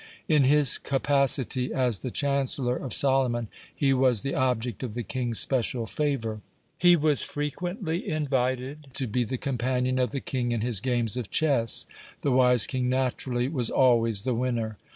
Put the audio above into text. (94) In his capacity as the chancellor of Solomon, he was the object of the king's special favor. He was frequently invited to be the companion of the king in his games of chess. The wise king naturally was always the winner.